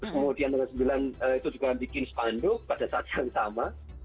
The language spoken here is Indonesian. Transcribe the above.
kemudian tanggal sembilan itu juga bikin spanduk pada saat yang sama